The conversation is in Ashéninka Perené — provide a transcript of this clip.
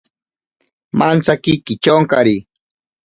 Mantsaki kichonkari.